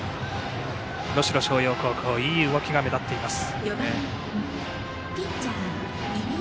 能代松陽高校いい動きが目立っています。